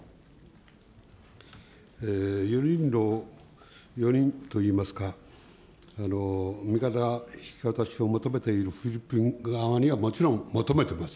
４人の、４人といいますか、身柄引き渡しを求めている、フィリピン側にはもちろん求めてます。